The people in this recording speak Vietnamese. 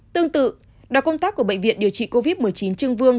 tương tự đoàn công tác của bệnh viện điều trị covid một mươi chín trương vương